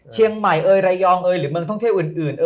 เชียงใหม่ระยองหรือเมืองท่องเทพอื่น